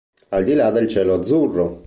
Al di là del cielo azzurro.